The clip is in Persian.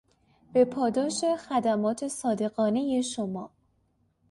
به پاداش خدمات صادقانهی شما...